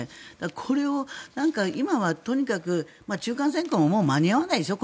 これをなんか今はとにかく中間選挙ももう間に合わないでしょ。